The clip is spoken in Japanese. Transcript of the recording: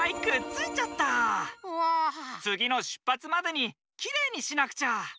つぎのしゅっぱつまでにきれいにしなくちゃ。